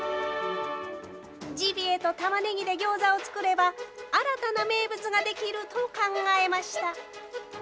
ジビエとタマネギで餃子を作れば、新たな名物ができると考えました。